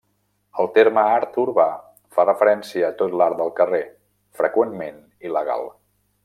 El terme art urbà fa referència a tot l'art del carrer, freqüentment il·legal.